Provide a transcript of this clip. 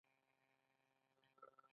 دویم دا چې شتمنۍ او قدرت ته لاسرسی وي.